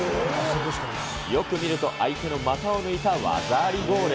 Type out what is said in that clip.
よく見ると、相手の股を抜いた技ありゴール。